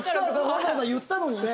わざわざ言ったのにね。